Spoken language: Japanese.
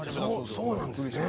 そうなんですね。